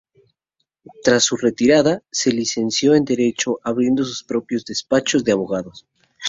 Tras su retirada, se licenció en Derecho, abriendo su propio despacho de abogados.